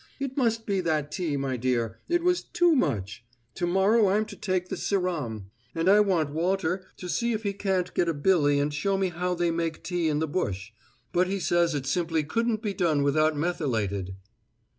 "It must be that tea, my dear. It was too much. To morrow I'm to take the Sirram, and I want Walter to see if he can't get a billy and show me how they make tea in the bush; but he says it simply couldn't be done without methylated."